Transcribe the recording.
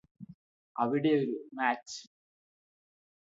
അവിടെയൊരു മാച്ച്